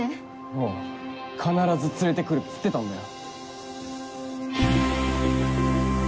ああ必ず連れて来るっつってたんだよ。